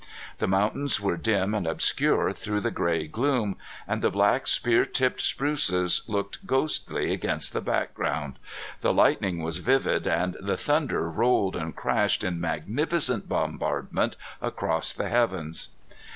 The mountains were dim and obscure through the gray gloom, and the black spear tipped spruces looked ghostly against the background. The lightning was vivid, and the thunder rolled and crashed in magnificent bombardment across the heavens.